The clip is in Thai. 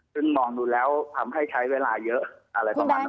ซึ่งมองดูแล้วทำให้ใช้เวลาเยอะอะไรประมาณนั้น